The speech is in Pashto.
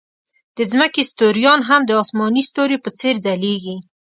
د ځمکې ستوریان هم د آسماني ستوریو په څېر ځلېږي.